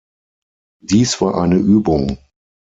Dies war eine Übung.